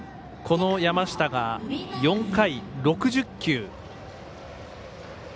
山下が４回、６０球。